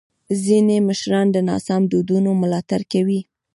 ځینې مشران د ناسم دودونو ملاتړ کوي.